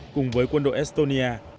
cùng với quân đội estonia